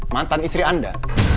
mantan istri anda